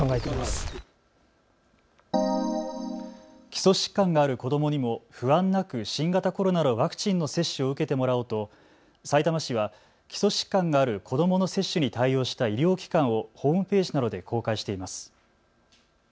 基礎疾患がある子どもにも不安なく新型コロナワクチンの接種を受けてもらおうとさいたま市は基礎疾患がある子どもの接種に対応した医療機関をホームページなどで公開しています。